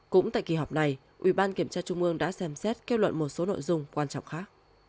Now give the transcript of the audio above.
cũng tại kỳ họp này ủy ban kiểm tra trung ương đã xem xét kết luận một số nội dung quan trọng khác